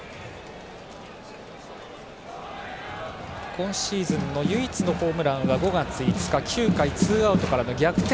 今シーズンの唯一のホームランは５月５日、９回ツーアウトからの逆転